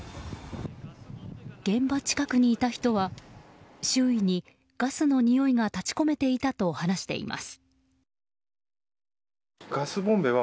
現場近くにいた人は、周囲にガスのにおいが立ち込めていたと話しています。